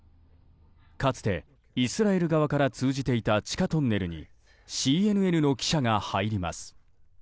かつてイスラエル側から通じていた地下トンネルにＣＮＮの記者が入ります。